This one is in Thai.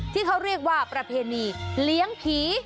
ที่เขาเรียกว่าประเพณีเลี้ยงผี